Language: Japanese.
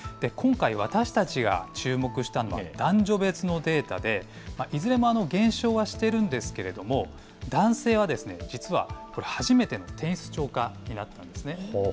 今回、私たちが注目したのは男女別のデータで、いずれも減少はしてるんですけれども、男性は実はこれ、初めて転出超過になったんですね。